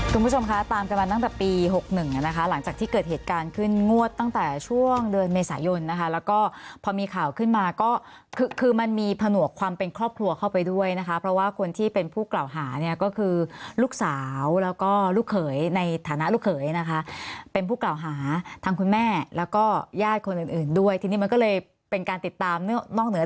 คุณผู้ชมคะตามกันมาตั้งแต่ปี๖๑นะคะหลังจากที่เกิดเหตุการณ์ขึ้นงวดตั้งแต่ช่วงเดือนเมษายนนะคะแล้วก็พอมีข่าวขึ้นมาก็คือคือมันมีผนวกความเป็นครอบครัวเข้าไปด้วยนะคะเพราะว่าคนที่เป็นผู้กล่าวหาเนี่ยก็คือลูกสาวแล้วก็ลูกเขยในฐานะลูกเขยนะคะเป็นผู้กล่าวหาทางคุณแม่แล้วก็ญาติคนอื่นด้วยทีนี้มันก็เลยเป็นการติดตามนอกเหนือ